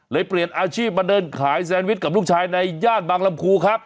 เปลี่ยนอาชีพมาเดินขายแซนวิชกับลูกชายในย่านบางลำพูครับ